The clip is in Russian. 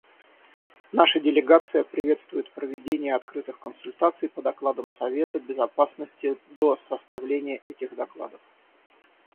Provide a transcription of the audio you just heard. Наша делегация приветствует проведение открытых консультаций по докладам Совета Безопасности до составления этих докладов.